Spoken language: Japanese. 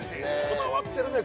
こだわってるね